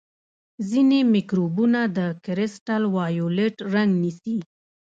ځینې مکروبونه د کرسټل وایولېټ رنګ نیسي.